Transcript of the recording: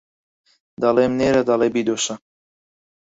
دەڵێم نێرە دەڵێ بیدۆشە